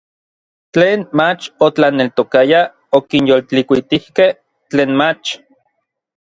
Tlen mach otlaneltokayaj okinyoltlikuitijkej tlen mach.